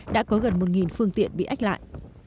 đã có gần một phương tiện bị ách lại